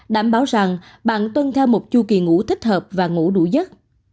tám đảm bảo rằng bạn tuân theo một chu kỳ ngủ thích hợp và ngủ đủ giấc